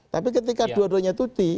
tapi ketika dua duanya cuti